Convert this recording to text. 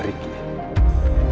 kenapa kamu masih menunggu riki